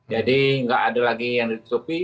jadi nggak ada lagi yang ditutupi